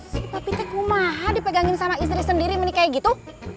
si papi teh ngumaha dipegangin sama istri sendiri menikah kayak gitu